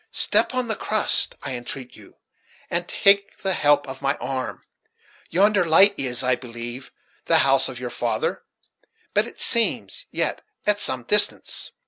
Step on the crust, I entreat you, and take the help of my arm, Yonder light is, I believe, the house of your father; but it seems yet at some distance."